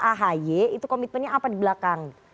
ahy itu komitmennya apa di belakang